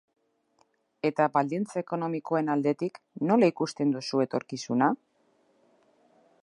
Eta baldintza ekonomikoen aldetik, nola ikusten duzu etorkizuna?